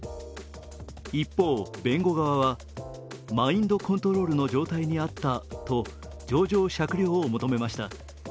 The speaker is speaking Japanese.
一方、弁護側はマインドコントロールの状態にあったと情状酌量を求めました。